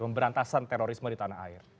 pemberantasan terorisme di tanah air